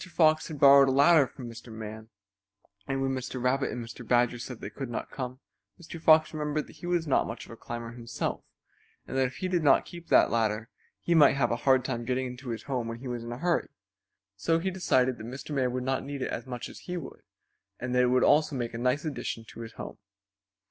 Fox had borrowed a ladder from Mr. Man, and when Mr. Rabbit and Mr. Badger said they could not come Mr. Fox remembered that he was not much of a climber himself and that if he did not keep that ladder he might have a hard time getting into his home when he was in a hurry. So he decided that Mr. Man would not need it as much as he would and that it would also make a nice addition to his home.